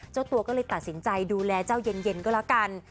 เจ้าตัวก็เลยตัดสินใจดูแลเจ้าเย็นก็แล้วกัน